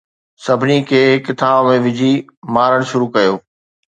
سڀني کي هڪ ٿانو ۾ وجھي مارڻ شروع ڪيو